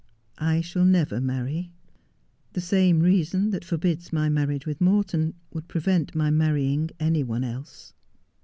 I shall never marry. The same reason that forbids my marriage with Morton would prevent my marrying any one else.'